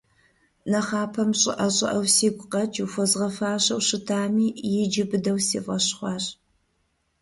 Нэхъапэм щӀыӀэ-щӀыӀэу сигу къэкӀыу, хуэзгъэфащэу щытами, иджы быдэу си фӀэщ хъуащ.